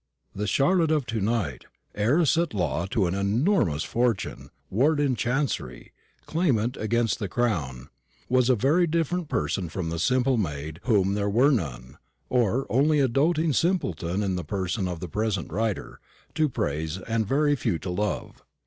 The Charlotte of to night heiress at law to an enormous fortune ward in Chancery claimant against the Crown was a very different person from the simple maid "whom there were none" or only a doating simpleton in the person of the present writer "to praise, and very few to love."